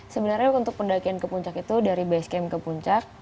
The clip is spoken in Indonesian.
sebenarnya untuk pendakian ke puncak itu dari base camp ke puncak